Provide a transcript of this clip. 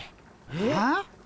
えっ？